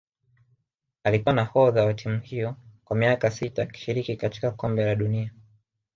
Alikuwa nahodha wa timu hiyo kwa miaka sita akishiriki katika kombe la dunia